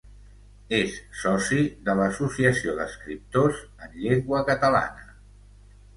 És soci de l'Associació d'Escriptors en Llengua Catalana.